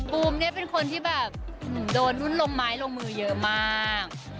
มูมเนี่ยเป็นคนที่แบบโดนรุ่นลงไม้ลงมือเยอะมาก